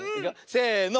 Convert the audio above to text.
せの。